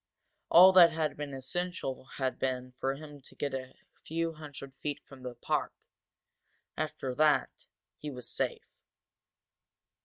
All that had been essential had been for him to get a few hundred feet from the park, after that he was safe.